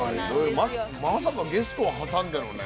まさかゲストを挟んでのね。